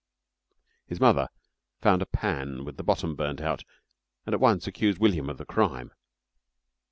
His mother found a pan with the bottom burnt out and at once accused William of the crime.